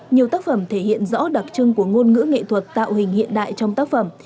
nhiều tác phẩm thể hiện rõ đặc trưng của ngôn ngữ nghệ thuật tạo hình hiện đại trong tác phẩm